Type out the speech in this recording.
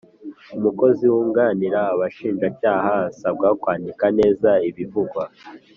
umukozi wunganira Abashinjacyaha asabwa kwandika neza ibivugwa